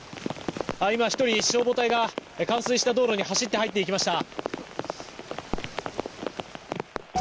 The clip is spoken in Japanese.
今、１人消防隊が冠水した道路に走って入っていきました。